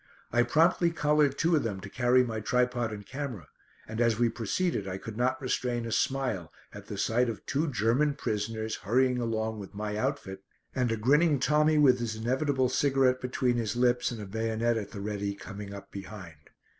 I promptly collared two of them to carry my tripod and camera, and as we proceeded I could not restrain a smile at the sight of two German prisoners hurrying along with my outfit, and a grinning Tommy with his inevitable cigarette between his lips, and a bayonet at the ready, coming up behind.